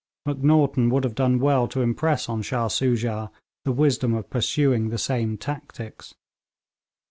Macnaghten would have done well to impress on Shah Soojah the wisdom of pursuing the same tactics.